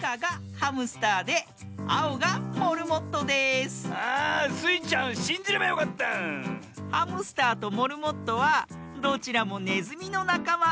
ハムスターとモルモットはどちらもネズミのなかま。